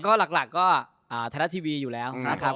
ก็หลักก็ไทยรัฐทีวีอยู่แล้วนะครับ